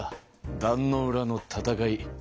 壇ノ浦の戦い。